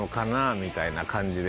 みたいな感じで。